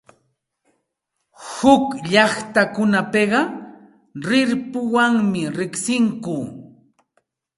Huk llaqtakunapiqa rirpuwanmi riqsinku.